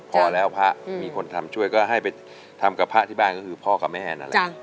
พอแล้วพระมีคนทำช่วยก็ให้ไปทำกับพระที่บ้านก็คือพ่อกับแม่นั่นแหละ